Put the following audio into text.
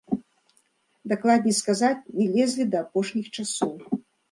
Дакладней сказаць, не лезлі да апошніх часоў.